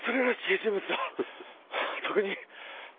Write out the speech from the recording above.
特に。